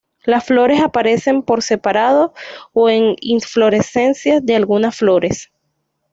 Las flores aparecen por separado o en inflorescencias de algunas flores.